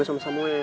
masaknya udah udah